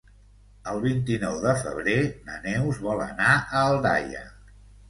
El vint-i-nou de febrer na Neus vol anar a Aldaia.